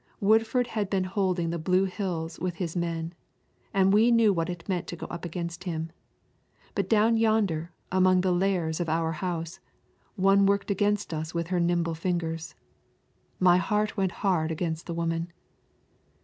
Woodford had been holding the blue hills with his men, and we knew what it meant to go up against him. But down yonder in among the Lares of our house, one worked against us with her nimble fingers. My heart went hard against the woman.